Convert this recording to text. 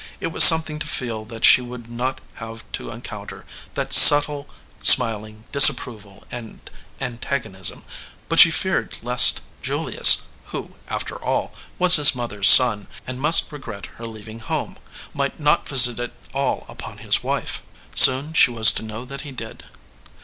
It was something to feel that she would not have to encounter that subtle smiling disapproval and antagonism, but she feared lest Julius, who, 208 SOUR SWEETINGS after all, was his mother s son, and must regret her leaving home, might not visit it all upon his wife. Soon she was to know that he did.